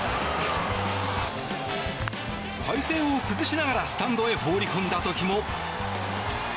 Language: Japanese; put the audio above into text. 体勢を崩しながらスタンドへ放り込んだ時も。